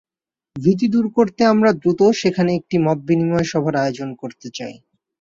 ভীতি দূর করতে আমরা দ্রুত সেখানে একটা মতবিনিময় সভার আয়োজন করতে চাই।